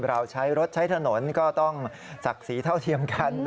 เราใช้รถใช้ถนนก็ต้องศักดิ์ศรีเท่าเทียมกัน